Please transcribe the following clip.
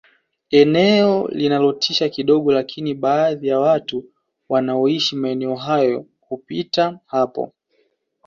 eneo linatisha kidogo lakini baadhi ya watu wanaoishi maeneo hayo hupita hapo